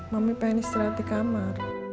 mami pengen istirahat di kamar